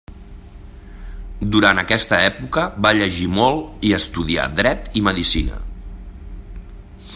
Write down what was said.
Durant aquesta època va llegir molt i estudià Dret i Medicina.